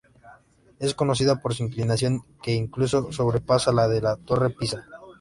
Es conocida por su inclinación, que incluso sobrepasa la de la Torre de Pisa.